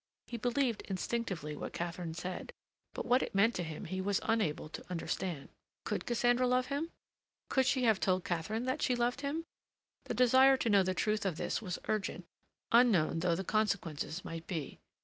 He believed instinctively what Katharine said, but what it meant to him he was unable to understand. Could Cassandra love him? Could she have told Katharine that she loved him? The desire to know the truth of this was urgent, unknown though the consequences might be.